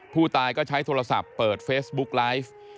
ผู้ตายก็ใช้โทรศัพท์เปิดเฟซบุ๊กไลฟ์